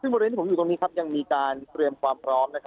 บริเวณที่ผมอยู่ที่นี่ยังมีการเตรียมพร้อม